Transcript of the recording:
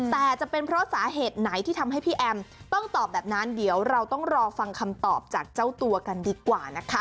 แต่จะเป็นเพราะสาเหตุไหนที่ทำให้พี่แอมต้องตอบแบบนั้นเดี๋ยวเราต้องรอฟังคำตอบจากเจ้าตัวกันดีกว่านะคะ